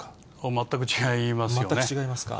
全く違いますか。